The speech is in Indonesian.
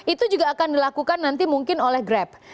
itu juga akan dilakukan nanti mungkin oleh grab